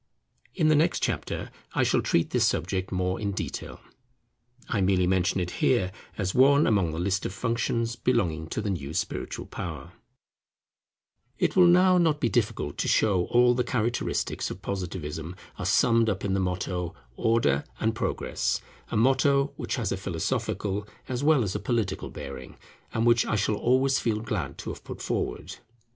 In the next chapter I shall treat this subject more in detail. I merely mention it here as one among the list of functions belonging to the new spiritual power. [The political motto of Positivism: Order and Progress] It will now not be difficult to show all the characteristics of Positivism are summed up in the motto, Order and Progress, a motto which has a philosophical as well as political bearing, and which I shall always feel glad to have put forward.